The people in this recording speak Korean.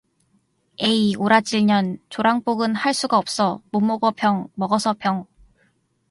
에이, 오라질년, 조랑복은 할 수가 없어, 못 먹어 병, 먹어서 병!